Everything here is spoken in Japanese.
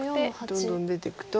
どんどん出ていくと。